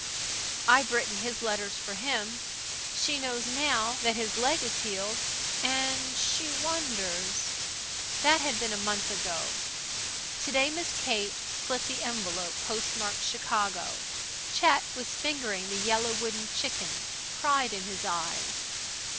I've written his letters for him. She knows now that his leg is healed and she wonders " That had been a month ago. To day Miss Kate slit the envelope postmarked Chicago. Chet was fingering the yellow wooden chicken, pride in his eyes.